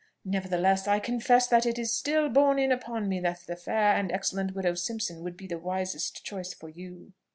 Nevertheless, I confess that it is still borne in upon me that the fair and excellent widow Simpson would be the wisest choice for you."